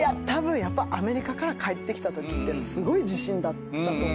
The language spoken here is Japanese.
アメリカから帰ってきたときってすごい自信だったと思うんですよ